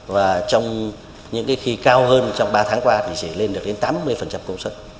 và trong những cái khi cao hơn trong ba tháng qua thì chỉ lên được đến tám mươi công suất